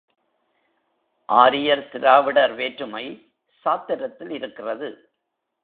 ஆரியர் திராவிடர் வேற்றுமை சாத்திரத்தில் இருக்கிறது.